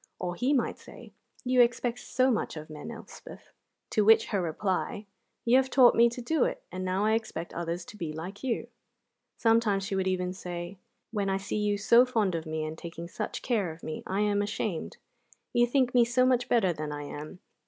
Or he might say: "You expect so much of men, Elspeth." To which her reply: "You have taught me to do it, and now I expect others to be like you." Sometimes she would even say: "When I see you so fond of me, and taking such care of me, I am ashamed. You think me so much better than I am.